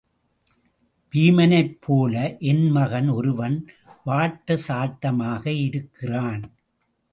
வீமனைப்போல என் மகன் ஒருவன் வாட்டசாட்டமாக இருக்கிறான்.